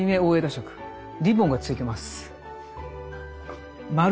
丸とリボンついてます。